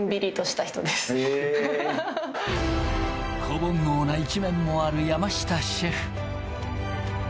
子ぼんのうな一面もある山下シェフ